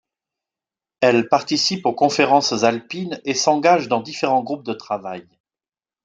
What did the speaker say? Elle participe aux conférences alpines et s’engage dans différents groupes de travail.